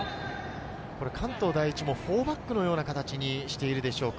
関東第一も４バックのような形にしているでしょうか。